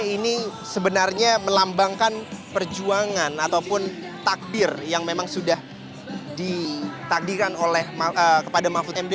ini sebenarnya melambangkan perjuangan ataupun takdir yang memang sudah ditakdirkan oleh kepada mahfud md